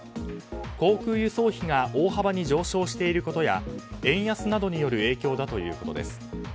航空輸送費が大幅に上昇していることや円安などによる影響だということです。